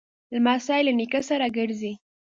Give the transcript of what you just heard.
لمسی له نیکه سره ګرځي.